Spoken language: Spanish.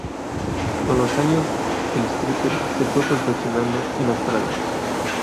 Con los años, el "stripper" se fue perfeccionando en Australia.